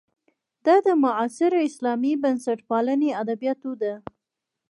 دا د معاصرې اسلامي بنسټپالنې ادبیاتو ده.